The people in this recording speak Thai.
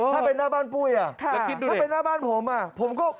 ถ้าเป็นหน้าบ้านปุ้ยอ่ะถ้าเป็นหน้าบ้านผมอ่ะผมก็